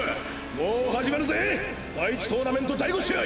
もう始めるぜ第一トーナメント第五試合！